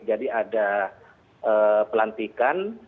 jadi ada pelantikan